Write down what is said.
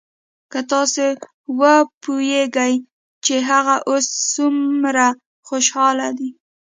که تاسو وپويېګئ چې هغه اوس سومره خوشاله دى.